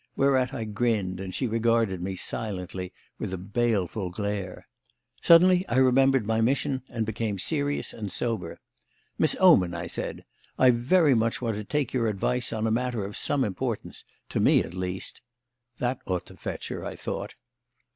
Whereat I grinned, and she regarded me silently with a baleful glare. Suddenly I remembered my mission and became serious and sober. "Miss Oman," I said, "I very much want to take your advice on a matter of some importance to me, at least." (That ought to fetch her, I thought.)